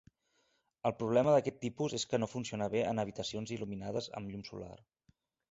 El problema d'aquest tipus és que no funciona bé en habitacions il·luminades amb llum solar.